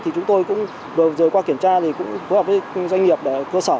thì chúng tôi vừa rồi qua kiểm tra thì cũng hối hợp với doanh nghiệp cơ sở